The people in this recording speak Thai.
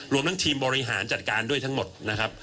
รวมทั้งทีมบริหารจัดการด้วยทั้งหมดนะครับ